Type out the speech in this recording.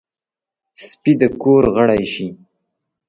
سپي د کور غړی شي.